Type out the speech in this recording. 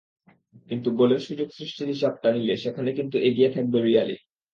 কিন্তু গোলের সুযোগ সৃষ্টির হিসাবটা নিলে সেখানে কিন্তু এগিয়ে থাকবে রিয়ালই।